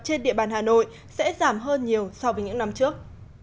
trên địa bàn hà nội sẽ giảm hơn nhiều so với những năm trước